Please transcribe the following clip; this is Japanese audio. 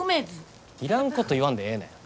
いらんこと言わんでええねん。